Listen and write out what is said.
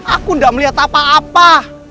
aku tidak melihat apa apa